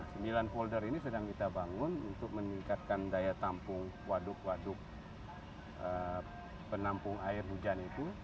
sembilan folder ini sedang kita bangun untuk meningkatkan daya tampung waduk waduk penampung air hujan itu